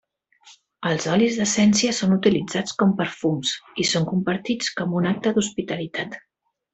Els olis d'essència són utilitzats com perfums i són compartits com un acte d'hospitalitat.